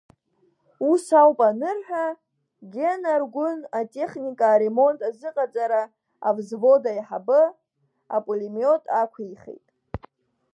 Ус ауп анырҳәа, Гена Аргәын атехника аремонт азыҟаҵара авзвод аиҳабы, апулемиот ақәихит.